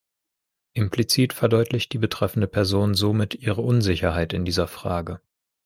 Implizit verdeutlicht die betreffende Person somit ihre Unsicherheit in dieser Frage.